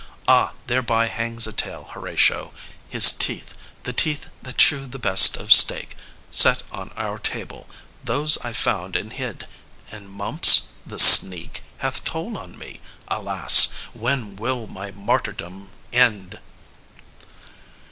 Ah, thereby hangs a tale, Horatio! His teeth, the teeth that chew the best of steak Set on our table those I found and hid; And Mumps, the sneak, hath told on me! Alas! When will my martyrdom end?"